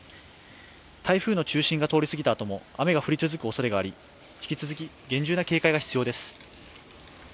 台風の中心が通り過ぎたあとも雨が降り続くおそれがあり、引き続き厳重な警戒が必要です。